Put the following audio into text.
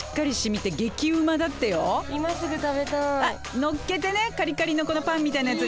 のっけてねカリカリのこのパンみたいなやつに。